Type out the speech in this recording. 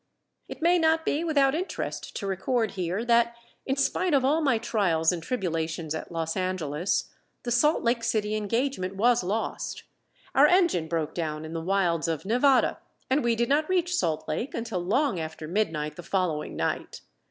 It may not be without interest to record here that in spite of all my trials and tribulations at Los Angeles, the Salt Lake City engagement was lost. Our engine broke down in the wilds of Nevada, and we did not reach Salt Lake until long after midnight the following night.